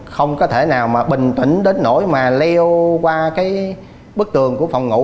không có thể nào mà bình tĩnh đến nỗi mà leo qua cái bức tường của phòng ngủ